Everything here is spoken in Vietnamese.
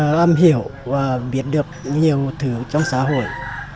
tôi cũng rất âm hiểu và biết được nhiều thứ trong xã hội